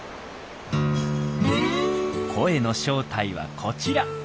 声の正体はこちら。